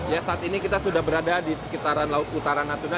ya saat ini kita sudah berada di sekitaran laut utara natuna